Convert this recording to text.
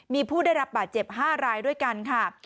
มีผู้ได้รับบาดเจ็บ๕รายด้วยกันค่ะ